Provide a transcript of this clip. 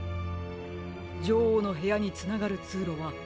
じょおうのへやにつながるつうろはどれでしょうか？